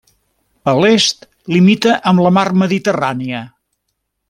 A l'est, limita amb la mar mediterrània.